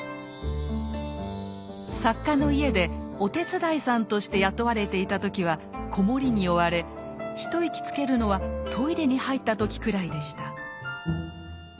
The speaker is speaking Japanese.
作家の家でお手伝いさんとして雇われていた時は子守に追われ一息つけるのはトイレに入った時くらいでした。